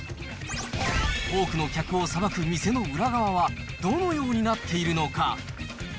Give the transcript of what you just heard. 多くの客をさばく店の裏側は、どのようになっているのか。